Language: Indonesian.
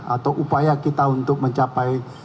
atau upaya kita untuk mencapai